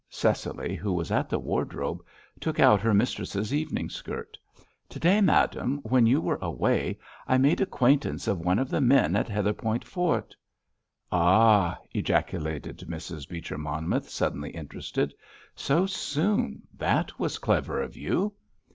Cecily, who was at the wardrobe, took out her mistress's evening skirt. "To day, madame, when you were away, I made acquaintance of one of the men at Heatherpoint Fort——" "Ah!" ejaculated Mrs. Beecher Monmouth, suddenly interested; "so soon—that was clever of you."